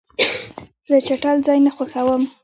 زه چټل ځای نه خوښوم.